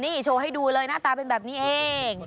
นี่โชว์ให้ดูเลยหน้าตาเป็นแบบนี้เอง